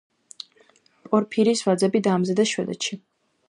პორფირის ვაზები დაამზადეს შვედეთში.